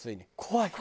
「怖い」。